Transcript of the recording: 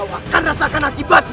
kau akan rasakan akibatmu